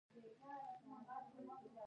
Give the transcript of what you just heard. د کړکیو پاکول څنګه ترسره کوی؟ اونۍ کی یوځل